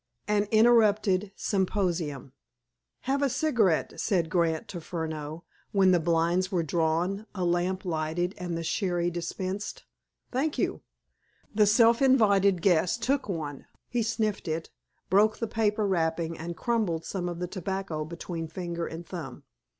An Interrupted Symposium "Have a cigarette," said Grant to Furneaux, when the blinds were drawn, a lamp lighted, and the sherry dispensed. "Thank you." The self invited guest took one. He sniffed it, broke the paper wrapping, and crumbled some of the tobacco between finger and thumb.